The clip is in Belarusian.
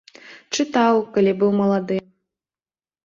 Чытаў, калі быў малады.